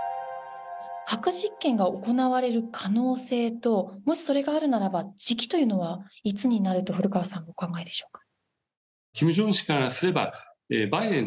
核実験が行われる可能性ともし、それがあるならば時期というのはいつになると古川さんはお考えでしょうか。